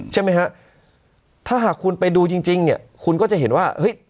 ใช่ไหมฮะถ้าหากคุณไปดูจริงจริงเนี่ยคุณก็จะเห็นว่าเฮ้ย